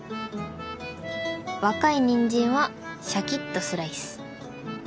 若いニンジンはシャキッとスライス。